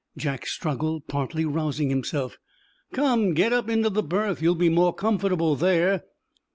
Jack struggled, partly rousing himself. "Come, get up into the berth. You'll be more comfortable there."